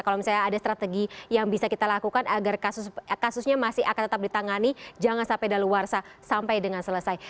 kalau misalnya ada strategi yang bisa kita lakukan agar kasusnya masih akan tetap ditangani jangan sampai daluarsa sampai dengan selesai